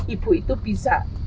ibu itu bisa